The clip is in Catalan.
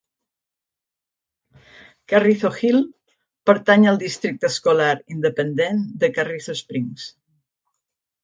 Carrizo Hill pertany al districte escolar independent de Carrizo Springs.